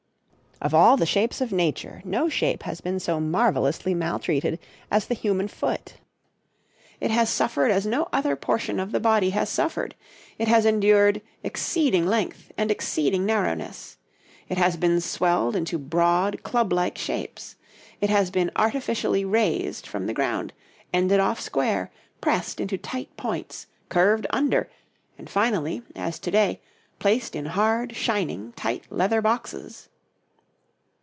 Of all the shapes of nature, no shape has been so marvellously maltreated as the human foot. It has suffered as no other portion of the body has suffered: it has endured exceeding length and exceeding narrowness; it has been swelled into broad, club like shapes; it has been artificially raised from the ground, ended off square, pressed into tight points, curved under, and finally, as to day, placed in hard, shining, tight leather boxes.